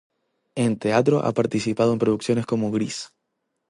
En teatro ha participado en producciones como: "Grease.